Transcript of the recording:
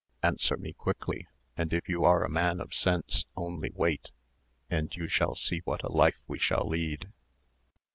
Answer me quickly, and if you are a man of sense, only wait, and you shall see what a life we shall lead."